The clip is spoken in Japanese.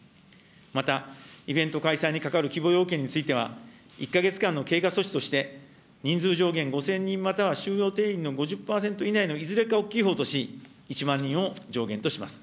またイベント開催にかかる規模要件については、１か月間の経過措置として、人数上限５０００人、または収容定員の５０％以内のいずれか大きいほうとし、１万人を上限とします。